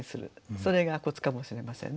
それがコツかもしれませんね。